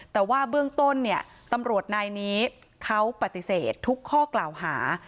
แต่ว่าเบื้องต้นเนี่ยตำรวจนายนี้เขาปฏิเสธทุกข้อกล่าวหา